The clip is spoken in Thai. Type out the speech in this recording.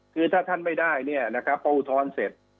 คือถ้าท่านไม่ได้ประอุทธรณ์เสร็จ